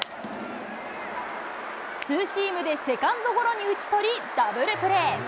ツーシームでセカンドゴロに打ち取り、ダブルプレー。